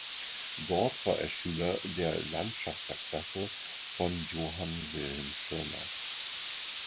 Dort war er Schüler der Landschafterklasse von Johann Wilhelm Schirmer.